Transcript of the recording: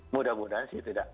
mudah mudahan sih tidak